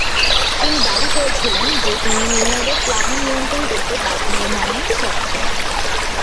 তিনি দাবি করেছিলেন যে তিনি নীল নদের প্লাবন নিয়ন্ত্রণ করতে বাঁধ নির্মাণে সক্ষম।